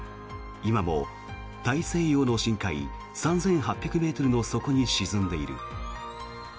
今も大西洋の深海３８００ｍの底に沈んでいる。